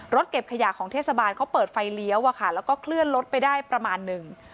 เก็บขยะของเทศบาลเขาเปิดไฟเลี้ยวแล้วก็เคลื่อนรถไปได้ประมาณหนึ่ง